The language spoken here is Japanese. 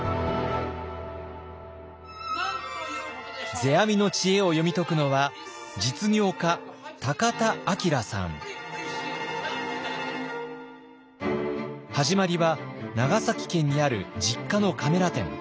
世阿弥の知恵を読み解くのは始まりは長崎県にある実家のカメラ店。